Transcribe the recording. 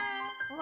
「わ！」